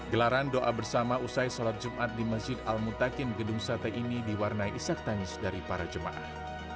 gelaran doa bersama usai sholat jumat di masjid al mutakin gedung sate ini diwarnai isak tangis dari para jemaah